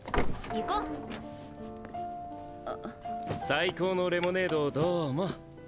最高のレモネードをどうも。